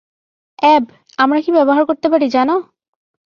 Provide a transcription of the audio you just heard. অ্যাব, আমরা কী ব্যবহার করতে পারি জানো?